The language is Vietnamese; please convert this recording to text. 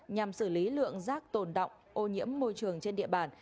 nhằm xử lý lượng rác tồn động ô nhiễm môi trường trên địa bàn